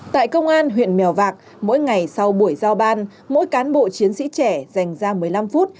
tại công an huyện mèo vạc mỗi ngày sau buổi giao ban mỗi cán bộ chiến sĩ trẻ dành ra một mươi năm phút